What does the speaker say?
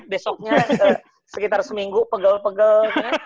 besoknya sekitar seminggu pegal pegel